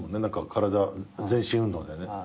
体全身運動でね。